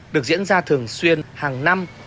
được diễn ra thường xuyên hàng năm